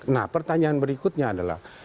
nah pertanyaan berikutnya adalah